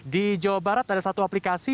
di jawa barat ada satu aplikasi